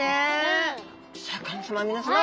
シャーク香音さま皆さま